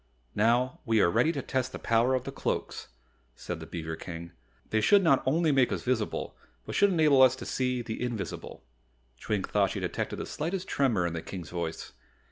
"Now we are ready to test the power of the Cloaks," said the beaver King. "They should not only make us visible, but should enable us to see the invisible." Twink thought she detected the slightest tremor in the King's voice.